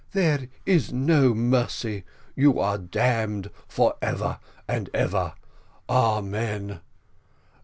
"There is no mercy, you are damned for ever and ever. Amen.